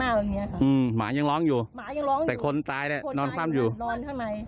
หมายังร้องอยู่หมายังร้องอยู่แต่คนตายเนี้ยนอนข้ามอยู่นอนข้างใน